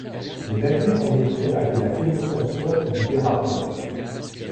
Le navire en effet avait la commotion sourde du dérapement.